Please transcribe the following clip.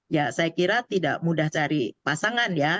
ya saya kira tidak mudah cari pasangan ya